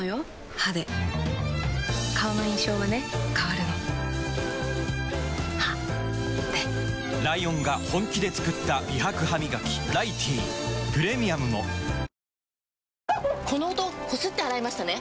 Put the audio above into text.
歯で顔の印象はね変わるの歯でライオンが本気で作った美白ハミガキ「ライティー」プレミアムもこの音こすって洗いましたね？